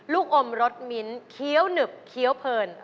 ลูกอมรสมินทร์เคี้ยวหนึบเคี้ยวเพลิน